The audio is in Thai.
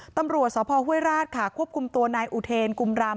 ตำรวจสพห้วยราชค่ะควบคุมตัวนายอุเทนกุมรำ